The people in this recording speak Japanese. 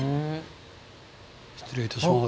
失礼いたします。